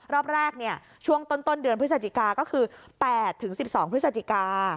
รอบแรกช่วงต้นเดือนพฤศจิกาก็คือ๘๑๒พฤศจิกา